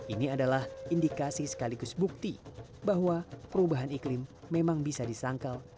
ini adalah indikasi sekaligus bukti bahwa perubahan iklim memang bisa disangkal